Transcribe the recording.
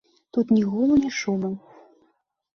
Тут ні гулу, ні шуму.